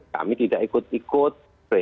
kami tidak ikut ikut